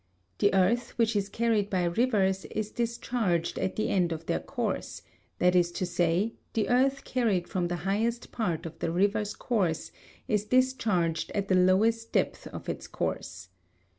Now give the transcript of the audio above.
The earth which is carried by rivers is discharged at the end of their course, that is to say, the earth carried from the highest part of the river's course is discharged at the lowest depth of its course.